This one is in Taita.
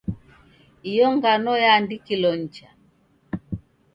Iyo ngano yaandikilo nicha.